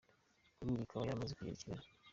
kuri ubu ikaba yaramaze kugera i Kigali.